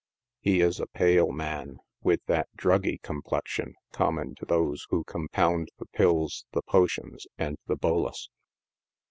He is a pale man, with that druggy complexion common to those who compound the pills, the potions and the bolus.